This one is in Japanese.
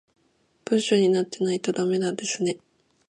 文章になってないとダメなんですね